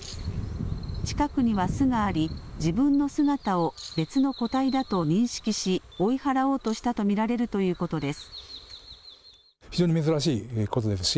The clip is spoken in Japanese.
近くには巣があり自分の姿を別の個体だと認識し追い払おうとしたと見られるということです。